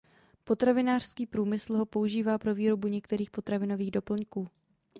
Potravinářský průmysl ho používá pro výrobu některých potravinových doplňků.